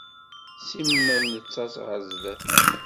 Simmal nettaẓ ɣer zdat.